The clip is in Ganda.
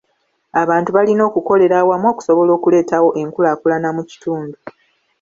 Abantu balina okukolera awamu okusobola okuleetawo enkulaakulana mu kitundu.